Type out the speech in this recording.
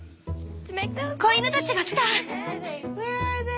子犬たちが来た！